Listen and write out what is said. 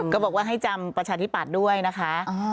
ก็บอกให้จำปัชธิปัดด้วยนะคะ